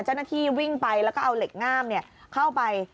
เจ้าหน้าที่วิ่งไปแล้วก็เอาเหล็กง่ามเข้าไป